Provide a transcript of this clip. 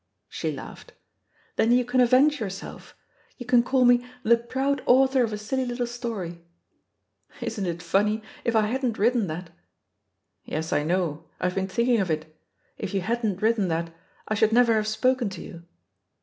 '* She laughed. Then you can avenge yourself; you can call me *the proud author of a silly little story/ Isn't it funny, if I hadn't written that " "Yes, I know, I've been thinking of it I If you hadn't written that, I should never have spoken to you.